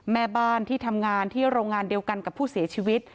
แม่บ้านที่ทำงานที่โรงงานเดียวกันกับผู้เสียชีวิต